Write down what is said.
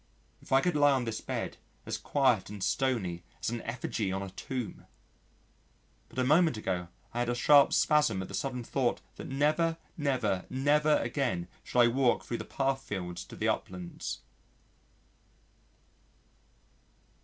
If I could lie on this bed as quiet and stony as an effigy on a tomb! But a moment ago I had a sharp spasm at the sudden thought that never, never, never again should I walk thro' the path fields to the uplands.